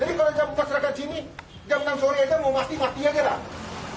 jadi kalau jam enam serahkan sini jam enam sore aja mau mati mati aja lah